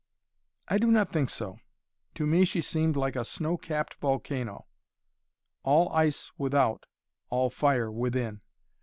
"I do not think so. To me she seemed like a snow capped volcano. All ice without, all fire within.